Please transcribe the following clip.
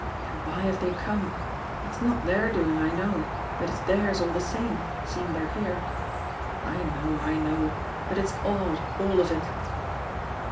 Then why have they come? It's not their doing, I know, but it's theirs all the same, seeing they're here. I know, I know, but it's odd, all of it."